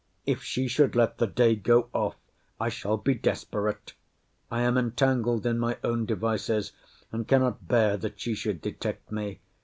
If she should let the day go off, I shall be desperate. I am entangled in my own devices, and cannot bear that she should detect me.